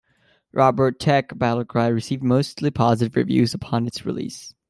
"Robotech: Battlecry" received mostly positive reviews upon its release.